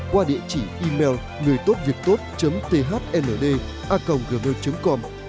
qua địa chỉ email ngườitốtviệctốt thnda gov com